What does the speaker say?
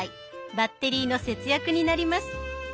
バッテリーの節約になります。